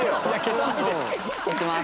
消します。